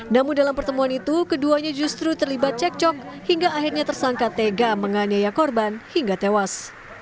namun dalam pertemuan itu keduanya justru terlibat cekcok hingga akhirnya tersangka tega menganiaya korban hingga tewas